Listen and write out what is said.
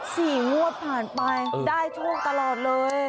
สี่งวดผ่านไปได้ช่วงตลอดเลย